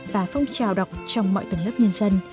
và phong trào đọc trong mọi tầng lớp nhân dân